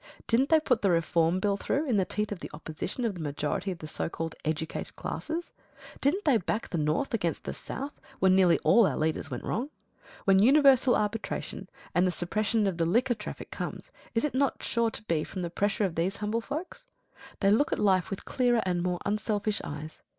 Didn't they put the Reform Bill through in the teeth of the opposition of the majority of the so called educated classes? Didn't they back the North against the South when nearly all our leaders went wrong? When universal arbitration and the suppression of the liquor traffic comes, is it not sure to be from the pressure of these humble folks? They look at life with clearer and more unselfish eyes.